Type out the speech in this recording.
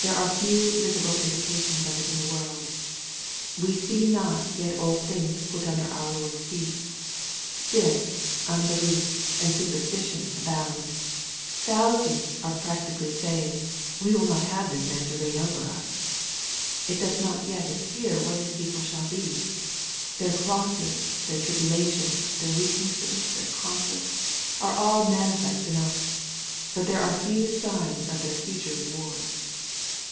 There are few visible indications of it in the world. — ^We see not yet all things put under our Lord's feet. Sin, unbelief, and superstition abound. Thousands are practically saying, "We will not have this man to reign over us." — It doth not yet appear what His people shall be. Their crosses, their tribula tions, their weaknesses^ their conflicts, are all manifest enough.. But there are few signs of their future reward.